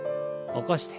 起こして。